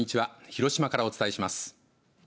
広島からお伝えします。